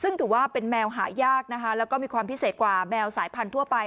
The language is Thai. ซึ่งถือว่าเป็นแมวหายากนะคะแล้วก็มีความพิเศษกว่าแมวสายพันธุไป